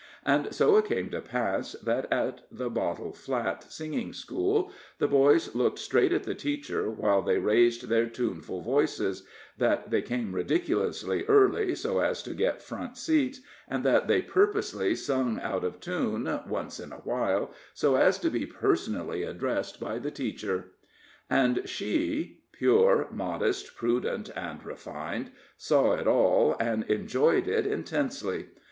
And so it came to pass that, at the Bottle Flat singing school, the boys looked straight at the teacher while they raised their tuneful voices; that they came ridiculously early, so as to get front seats; and that they purposely sung out of tune, once in a while, so as to be personally addressed by the teacher. And she pure, modest, prudent, and refined saw it all, and enjoyed it intensely.